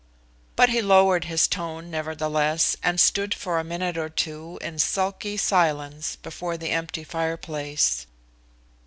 But he lowered his tone, nevertheless, and stood for a minute or two in sulky silence before the empty fireplace.